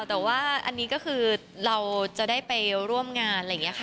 แต่ว่าอันนี้ก็คือเราจะได้ไปร่วมงานอะไรอย่างนี้ค่ะ